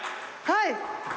はい！